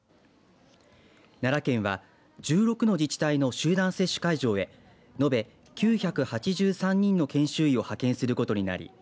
奈良県は１６の自治体の集団接種会場へ延べ９８３人の研修医を派遣することになり